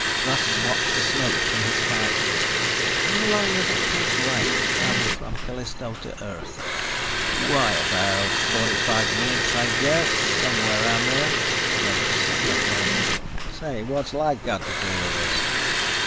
Russ watched the smoke from his pipe. "How long does it take light to travel from Callisto to Earth?" "Why, about 45 minutes, I guess. Somewhere around there." Greg sat upright. "Say, what's light got to do with this?"